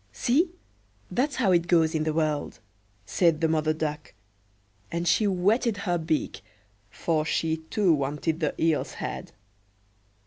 "See, that's how it goes in the world!" said the Mother Duck; and she whetted her beak, for she too wanted the eel's head.